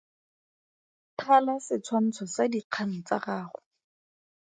Thala setshwantsho sa dikgang tsa gago.